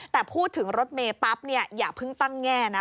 แต่พูดถึงรถเมย์ปั๊บเนี่ยอย่าเพิ่งตั้งแง่นะ